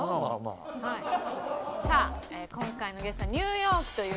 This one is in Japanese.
さあ今回のゲストニューヨークという事で。